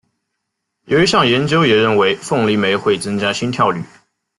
有一项研究也认为凤梨酶会增加心跳率。